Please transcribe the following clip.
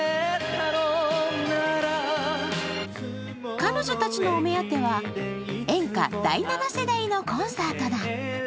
彼女たちのお目当ては、演歌第７世代のコンサートだ。